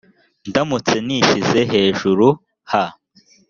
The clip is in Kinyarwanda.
ndamutse nishyize hejuru h